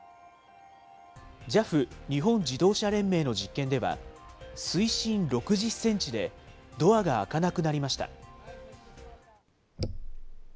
ＪＡＦ・日本自動車連盟の実験では、水深６０センチでドアが開かなくなりました。